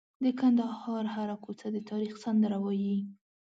د کندهار هره کوڅه د تاریخ سندره وایي.